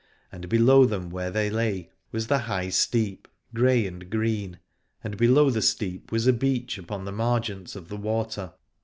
And below them where they lay was the high steep, grey and green : and below the steep was a beach upon the margent of the water.